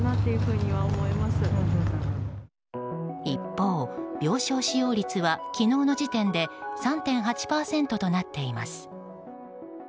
一方、病床使用率は昨日の時点で３．８％となっています。